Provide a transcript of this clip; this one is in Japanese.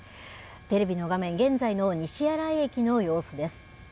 テレビの画面、現在の西新井駅の様子です。